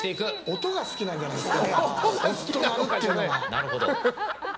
音が好きなんじゃないですか。